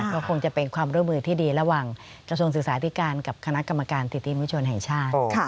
ก็คงจะเป็นความร่วมมือที่ดีระหว่างกระทรวงศึกษาธิการกับคณะกรรมการสิทธิมนุชนแห่งชาติ